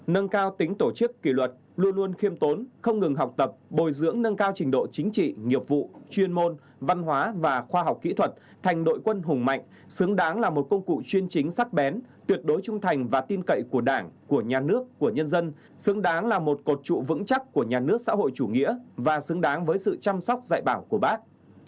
tám nâng cao tính tổ chức kỷ luật luôn luôn khiêm tốn không ngừng học tập bồi dưỡng nâng cao trình độ chính trị nghiệp vụ chuyên môn văn hóa và khoa học kỹ thuật thành đội quân hùng mạnh xứng đáng là một công cụ chuyên chính sắc bén tuyệt đối trung thành và tin cậy của đảng của nhà nước của nhân dân xứng đáng là một cột trụ vững chắc của nhà nước xã hội chủ nghĩa và xứng đáng với sự chăm sóc dạy bảo của bác